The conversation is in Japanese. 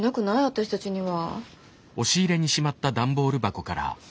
私たちには。